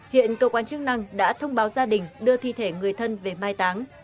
hiện cơ quan chức năng đã thông báo gia đình đưa thi thể người thân về mai táng